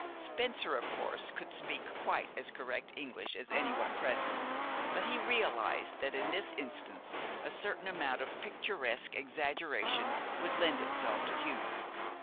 Spencer, of course, could speak quite as correct English as anyone present; but he realized that in this instance a certain amount of picturesque exaggeration would lend itself to humor.